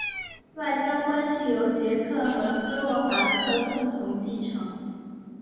外交关系由捷克和斯洛伐克共同继承。